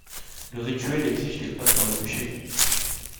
Le rituel exige qu'elle passe par le bûcher.